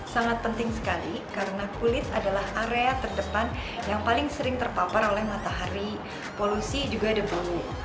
sangat penting sekali karena kulit adalah area terdepan yang paling sering terpapar oleh matahari polusi juga debu